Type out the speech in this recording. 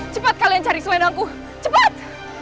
cepat kalian cari selendangku cepat